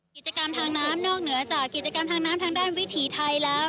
วัฒนธรรมนอกเหนือจากกิจกรรมทางน้ำทางด้านวิถีไทยแล้ว